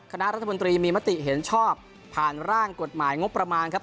คณะรัฐมนตรีมีมติเห็นชอบผ่านร่างกฎหมายงบประมาณครับ